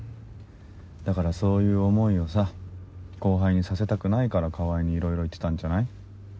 だからそういう思いをさ後輩にさせたくないから川合にいろいろ言ってたんじゃない？